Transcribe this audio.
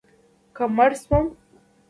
که مړه شوم